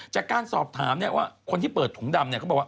จากการสอบถามเนี่ยว่าคนที่เปิดถุงดำเนี่ยเขาบอกว่า